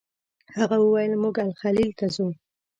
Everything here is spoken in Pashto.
هغه وویل موږ الخلیل ته ځو.